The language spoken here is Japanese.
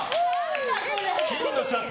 金のシャツ？